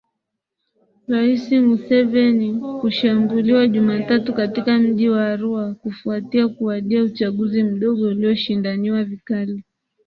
rais Museveni kushambuliwa Jumatatu katika mji wa Arua kufuatia kuwadia uchaguzi mdogo ulioshindaniwa vikali